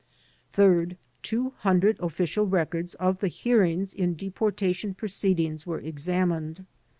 Third: 200 official records of the hearings in deportation proceedings were examined.